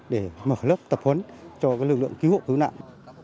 để mở lớp tập huấn cho lực lượng cứu hộ cứu nạn